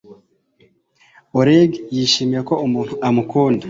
Oleg yishimiye ko umuntu amukunda